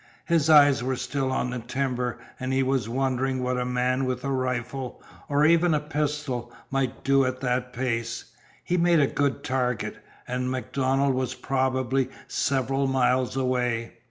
His eyes were still on the timber, and he was wondering what a man with a rifle, or even a pistol, might do at that space. He made a good target, and MacDonald was probably several miles away.